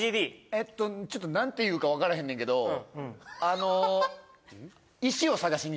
えっとちょっと何て言うか分からへんねんけどあの石？